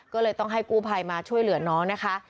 ก็เลยต้องให้กู้ภัยมาช่วยเหลือน้องนะคะ